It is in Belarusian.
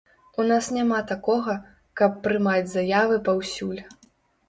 У нас няма такога, каб прымаць заявы паўсюль.